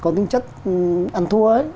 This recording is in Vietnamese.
có những chất ăn thua ấy